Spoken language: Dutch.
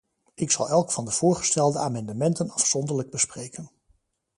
Ik zal elk van de voorgestelde amendementen afzonderlijk bespreken.